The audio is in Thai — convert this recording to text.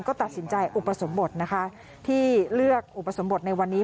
ก็ตัดสินใจอุปสมบทนะคะที่เลือกอุปสมบทในวันนี้